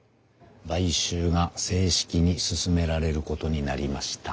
買収が正式に進められることになりました。